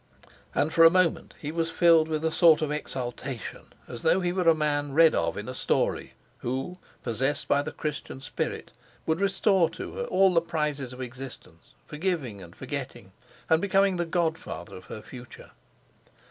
And for a moment he was filled with a sort of exaltation, as though he were a man read of in a story who, possessed by the Christian spirit, would restore to her all the prizes of existence, forgiving and forgetting, and becoming the godfather of her future.